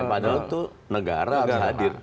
padahal itu negara harus hadir